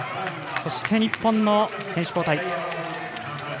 そして日本の選手交代。